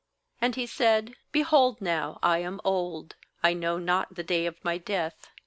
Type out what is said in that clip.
2And he said: 'Behold now, I am old, I know not the day of my death.